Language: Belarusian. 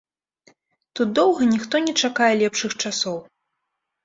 Тут доўга ніхто не чакае лепшых часоў.